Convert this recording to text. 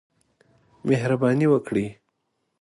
مهرباني وکړئ